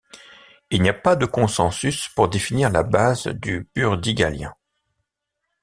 Il n'y a pas de consensus pour définir la base du Burdigalien.